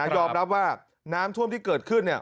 ยอมรับว่าน้ำท่วมที่เกิดขึ้น